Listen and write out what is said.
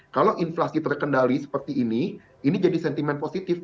kalau inflasi terkendali seperti ini ini jadi sentimen positif